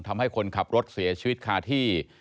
ทำให้คนขับรถเสียชีวิตคาที่